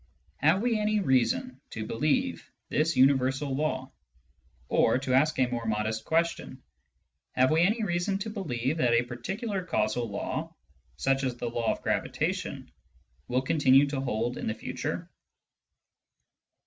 Have we any reason to believe this universal law ? Or, to ask a more modest question, have we any reason to believe that a particular causal law, such as the law of gravitation, will continue to hold in the future